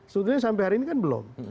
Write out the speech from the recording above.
sebetulnya sampai hari ini kan belum